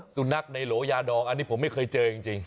สุนัขในโหลยาดองอันนี้ผมไม่เคยเจอจริง